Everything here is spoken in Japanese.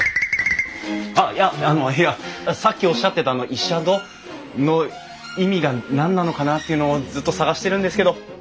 あっいやあのいやさっきおっしゃってたイシャド？の意味が何なのかなっていうのをずっと探してるんですけど。